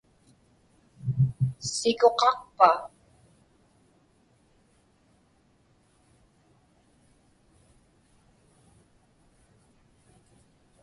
Sikuqaqpa?